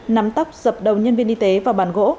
nắm tóc dập đầu nhân viên y tế và bàn gỗ